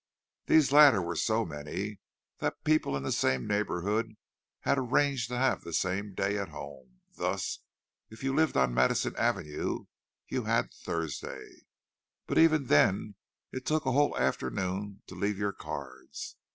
These latter were so many that people in the same neighbourhood had arranged to have the same day at home; thus, if you lived on Madison Avenue you had Thursday; but even then it took a whole afternoon to leave your cards.